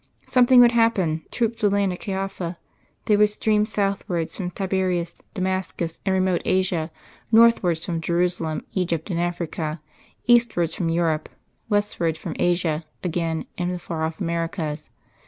Something would happen, troops would land at Khaifa, they would stream southwards from Tiberias, Damascus and remote Asia, northwards from Jerusalem, Egypt and Africa; eastwards from Europe; westwards from Asia again and the far off Americas.